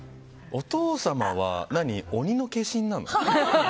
お父様は、鬼の化身なの？